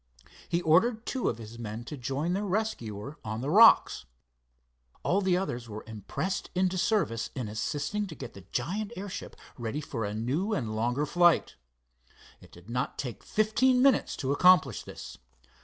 He ordered two of his men to join their rescuer on the rocks. All the others were impressed into service in assisting to get the giant airship ready for a new and longer flight. It did not take fifteen minutes to accomplish this.